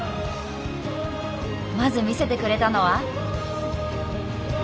まず見せてくれたのは？